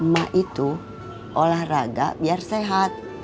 lima itu olahraga biar sehat